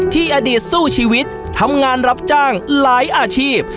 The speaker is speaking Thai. อดีตสู้ชีวิตทำงานรับจ้างหลายอาชีพ